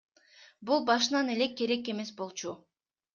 Бул башынан эле керек эмес болчу.